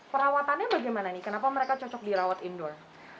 perawatannya bagaimana nih kenapa mereka cocok dirawat indoor